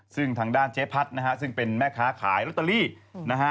ซึ่งทางด้านเจ๊พัดนะฮะซึ่งเป็นแม่ค้าขายลอตเตอรี่นะฮะ